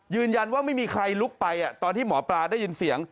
ไม่มีใครลุกไปตอนที่หมอปลาได้ยินเสียง